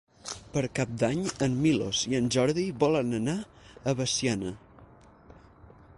Per Cap d'Any en Milos i en Jordi volen anar a Veciana.